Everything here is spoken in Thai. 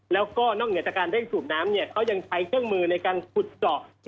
แล้วก็นอกเหนือจากการเร่งสูบน้ำเนี่ยเขายังใช้เครื่องมือในการขุดเจาะ